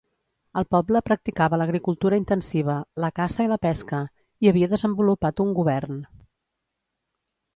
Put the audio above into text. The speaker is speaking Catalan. El poble practicava l'agricultura intensiva, la caça i la pesca, i havia desenvolupat un govern.